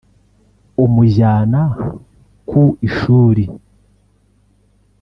umujyana ku ishuri